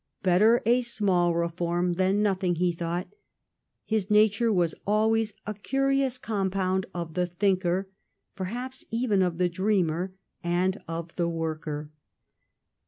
Better a small reform than nothing, he thought. His nature was always a curious compound of the thinker, perhaps even of the dreamer, and of the worker.